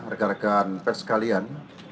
rekan rekan pes kalian